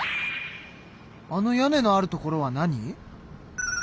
あの屋根のあるところは何？